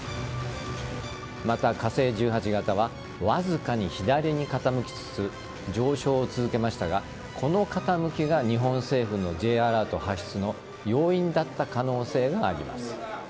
また、火星１８型はわずかに左に傾きつつ上昇を続けましたがこの傾きが日本政府のＪアラート発出の要因だった可能性があります。